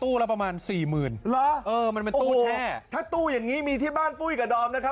ละประมาณสี่หมื่นเหรอเออมันเป็นตู้แช่ถ้าตู้อย่างงี้มีที่บ้านปุ้ยกับดอมนะครับ